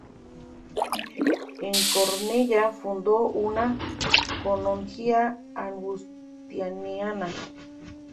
En Cornellá fundó una canonjía agustiniana.